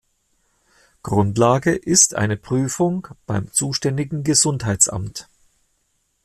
Grundlage ist eine Prüfung beim zuständigen Gesundheitsamt.